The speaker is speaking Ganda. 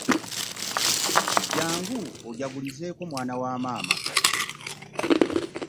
Jjangu ojagulizeeko mwana wa maama.